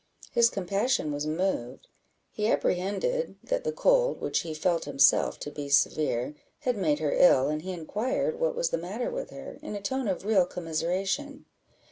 His compassion was moved; he apprehended that the cold, which he felt himself to be severe, had made her ill, and he inquired what was the matter with her, in a tone of real commiseration.